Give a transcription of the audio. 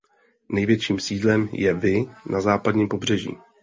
Největším sídlem je Vi na západním pobřeží.